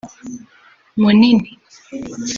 Munini